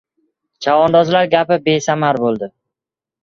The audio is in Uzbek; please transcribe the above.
Chavandozlar gapi besamar bo‘ldi.